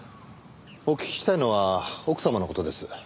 お聞きしたいのは奥様の事です。